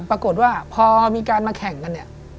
ปรากฏว่าพอมีการมาแข่งกัน